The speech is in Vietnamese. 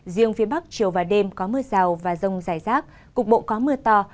riêng phía bắc chiều và đêm có mưa rào và rông rải rác cục bộ có mưa to